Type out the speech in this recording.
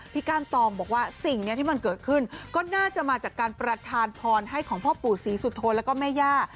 ก้านตองบอกว่าสิ่งนี้ที่มันเกิดขึ้นก็น่าจะมาจากการประทานพรให้ของพ่อปู่ศรีสุโธนแล้วก็แม่ย่า